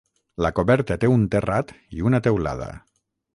La coberta té un terrat i una teulada.